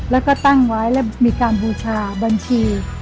แล้วก็ตั้งไว้แล้วมีการบูชาบัญชี